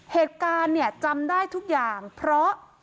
เหตุการณ์เนี่ยจำได้ทุกอย่างเพราะ